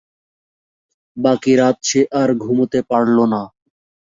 বাকি রাত সে আর ঘুমোতে পারল না।